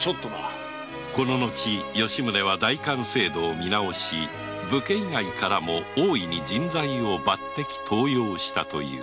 この後吉宗は代官制度を見直し武家以外からも大いに人材を抜擢登用したという